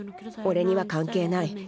「俺には関係ない。